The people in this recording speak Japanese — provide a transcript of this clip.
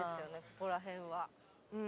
ここら辺は。